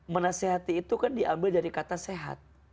menasehati itu kan diambil dari kata kata kita